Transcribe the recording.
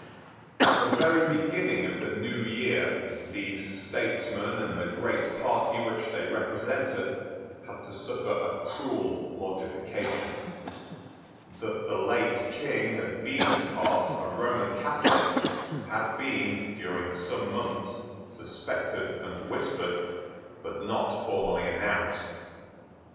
At the very beginning of the new year these statesmen and the great party which they represented had to suffer a cruel mortification. That the late King had been at heart a Roman Catholic had been, during some months, suspected and whispered, but not formally announced.